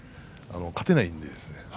勝てないんです。